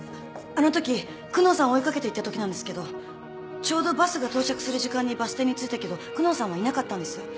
あのとき久能さん追い掛けていったときなんですけどちょうどバスが到着する時間にバス停に着いたけど久能さんはいなかったんです。